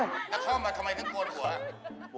ถ้าเข้ามาทำไมต้องบวนหัว